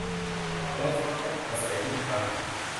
แล้วฟ้าจะกลับมาใสอีกครั้ง